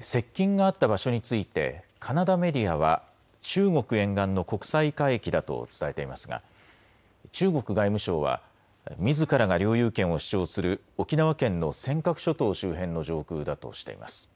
接近があった場所についてカナダメディアは中国沿岸の国際海域だと伝えていますが中国外務省はみずからが領有権を主張する沖縄県の尖閣諸島周辺の上空だとしています。